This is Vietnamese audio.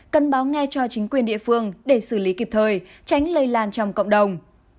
cần báo ngay cho chính quyền địa phương để xử lý kịp thời tránh lây lan trong cộng đồng